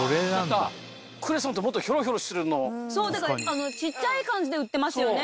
そう小っちゃい感じで売ってますよね